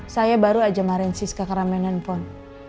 saya baru aja marahin sis kekeramianan pun